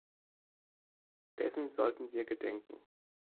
Dessen sollten wir gedenken.